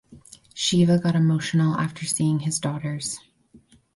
Shiva got emotional after seeing his daughters.